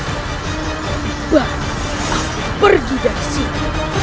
lebih baik aku pergi dari sini